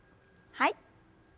はい。